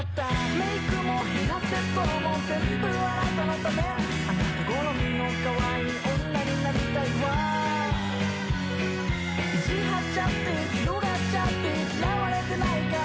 メイクもヘアセットも全部あなたのためあなた好みの可愛い女になりたいわ意地張っちゃって強がっちゃって嫌われてないかな？